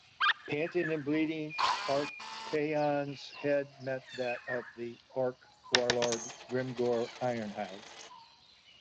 Panting and bleeding, Archaon's head met that of the Orc Warlord, Grimgor Ironhide.